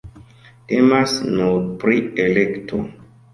Temas nur pri elekto.